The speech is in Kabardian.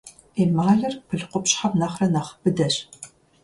Эмалыр пыл къупщхьэм нэхърэ нэхъ быдэщ.